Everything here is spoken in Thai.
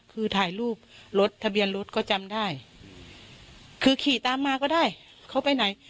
คือถ่ายรูปรถทะเบียนรถก็จำได้คือขี่ตามมาก็ได้เขาไปไหน